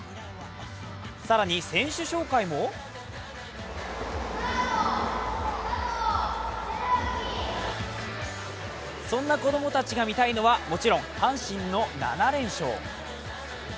更に選手紹介もそんな子供たちが見たいのは、もちろん阪神の７連勝。